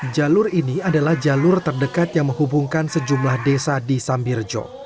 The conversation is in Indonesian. jalur ini adalah jalur terdekat yang menghubungkan sejumlah desa di sambirejo